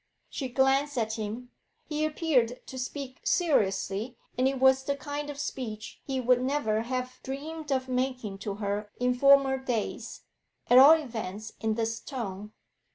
She glanced at him. He appeared to speak seriously, and it was the kind of speech he would never have dreamed of making to her in former days, at all events in this tone.